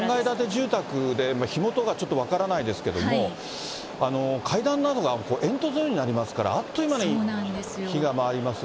住宅で火元がちょっと分からないですけども、階段などが、煙突のようになりますから、あっという間に火が回ります。